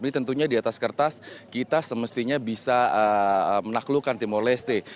ini tentunya di atas kertas kita semestinya bisa menaklukkan timor leste